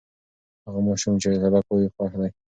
هغه ماشوم چې سبق وایي، خوښ دی.